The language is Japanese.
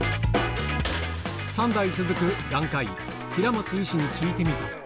３代続く眼科医、平松医師に聞いてみた。